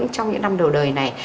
trong những năm đầu đời này